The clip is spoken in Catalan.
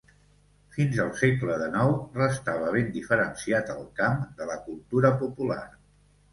Fins al segle dènou restava ben diferenciat el camp de la cultura popular.